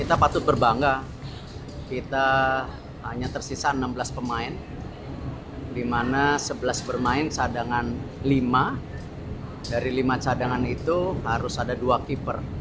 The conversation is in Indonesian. kita patut berbangga kita hanya tersisa enam belas pemain di mana sebelas bermain cadangan lima dari lima cadangan itu harus ada dua keeper